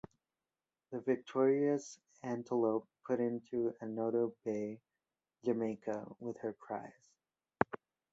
The victorious "Antelope" put into Annotto Bay, Jamaica with her prize.